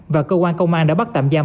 và cơ quan công an đã bắt tạm giam